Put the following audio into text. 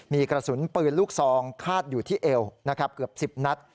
มีกระสุนปืนลูกซองคาดอยู่ที่เอวนะครับเกือบ๑๐นัด